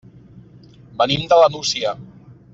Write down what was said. Venim de la Nucia.